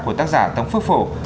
của tác giả tống phước phổ